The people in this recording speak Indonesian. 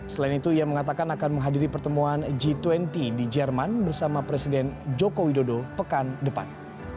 selain itu ia mengatakan akan menghadiri pertemuan g dua puluh di jerman bersama presiden joko widodo pekan depan